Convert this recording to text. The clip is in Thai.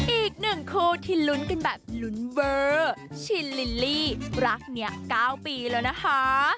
อีกหนึ่งคู่ที่ลุ้นกันแบบลุ้นเวอร์ชินลิลลี่รักเนี่ย๙ปีแล้วนะคะ